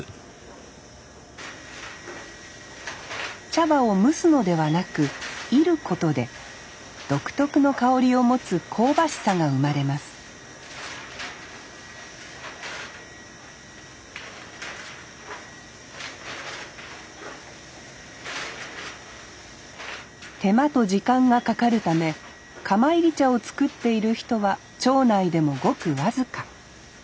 茶葉を蒸すのではなく炒ることで独特の香りを持つ香ばしさが生まれます手間と時間がかかるため釜炒り茶を作っている人は町内でもごく僅か。